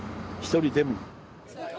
一人でも。